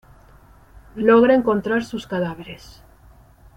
Logra encontrar sus cadáveres.